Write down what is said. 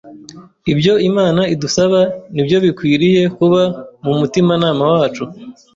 Ibyo Imana idusaba ni byo bikwiriye kuba mu mutimanama wacu.